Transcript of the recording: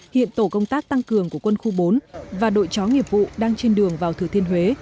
hiện tổ công tác tăng cường của quân khu bốn và đội chó nghiệp vụ đang trên đường vào thừa thiên huế